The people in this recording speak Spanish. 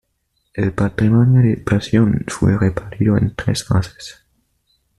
El patrimonio de Pasión fue repartido en tres fases.